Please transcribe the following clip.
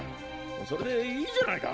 それでいいじゃないか！